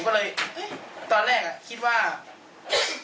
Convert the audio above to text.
ทำไมมันเยอะจังเราไปเปิดแอปอะไรหรือเปล่า